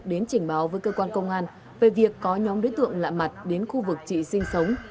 đến trình báo với cơ quan công an về việc có nhóm đối tượng lạ mặt đến khu vực chị sinh sống